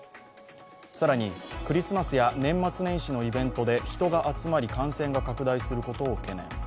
更に、クリスマスや年末年始のイベントで人が集まり感染が拡大することを懸念。